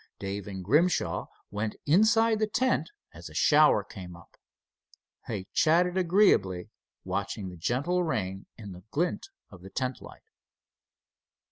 Dave and Grimshaw went inside the tent as a shower came up. They chatted agreeably, watching the gentle rain in the glint of the tent light.